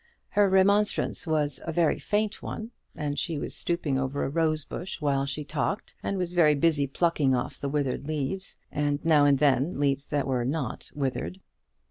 Her remonstrance was a very faint one, and she was stooping over a rose bush while she talked, and was very busy plucking off the withered leaves, and now and then leaves that were not withered.